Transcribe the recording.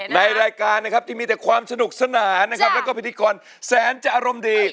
ในรายการนะครับที่มีแต่ความสนุกสนานนะครับแล้วก็พิธีกรแสนจะอารมณ์ดี